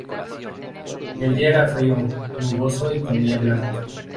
El día era frío, nuboso y con niebla.